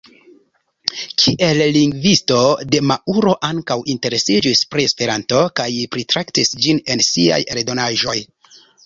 Kiel lingvisto, De Mauro ankaŭ interesiĝis pri Esperanto kaj pritraktis ĝin en siaj eldonaĵoj.